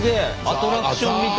アトラクションみたい。